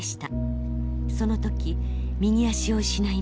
その時右足を失いました。